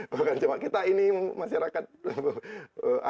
bukan cuma kita ini masyarakat adat bukan cuma